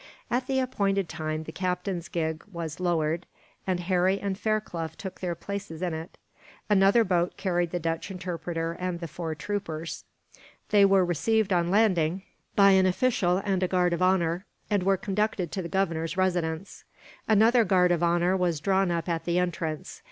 At the appointed time, the captain's gig was lowered, and Harry and Fairclough took their places in it. Another boat carried the Dutch interpreter and the four troopers. They were received, on landing, by an official and a guard of honour; and were conducted to the Governor's residence. Another guard of honour was drawn up at the entrance.